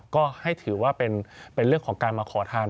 ก็ให้ถือว่าเป็นเรื่องของการมาขอทาน